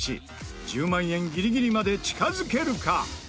１０万円ギリギリまで近づけるか？